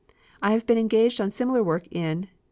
I have been engaged on similar work in